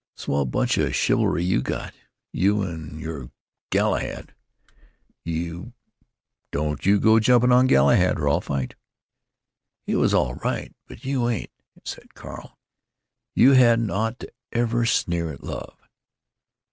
A swell bunch of chivalry you got, you and your Galahad! You——" "Don't you go jumping on Galahad, or I'll fight!" "He was all right, but you ain't," said Carl. "You hadn't ought to ever sneer at love."